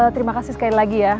terima kasih sekali lagi ya